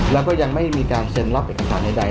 แล้วก็ยังไม่มีการเซ็นรับเอกสารใด